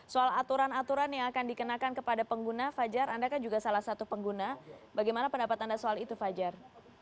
soal aturan aturan yang akan dikenakan kepada pengguna fajar anda kan juga salah satu pengguna bagaimana pendapat anda soal itu fajar